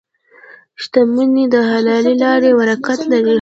• شتمني د حلالې لارې برکت لري.